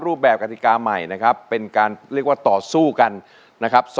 รูปแบบกติกาใหม่นะครับเป็นการเรียกว่าต่อสู้กันนะครับ